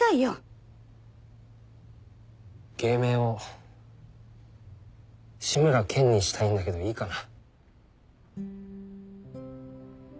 芸名を志村けんにしたいんだけどいいかな？